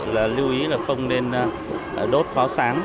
lưu ý là không nên đốt pháo sáng